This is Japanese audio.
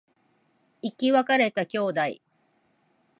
生き別れた兄弟